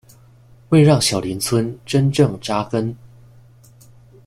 為讓小林村真正扎根